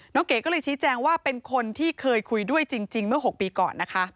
เก๋ก็เลยชี้แจงว่าเป็นคนที่เคยคุยด้วยจริงเมื่อ๖ปีก่อนนะคะ